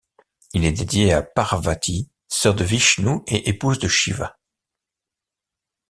Il est dédié à Parvati sœur de Vishnou et épouse de Shiva.